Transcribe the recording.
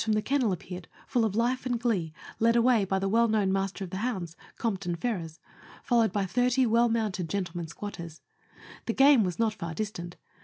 from the kennel appeared, full of life and glee, led away by the well known master of the hounds, Compton Ferrers, followed by thirty Avell mounted gentlemen squatters. The game was not far distant.